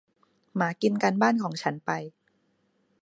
หมากินการบ้านของฉันไป